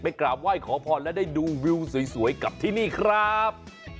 กราบไหว้ขอพรและได้ดูวิวสวยกับที่นี่ครับ